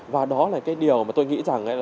và đó là điều tôi nghĩ rằng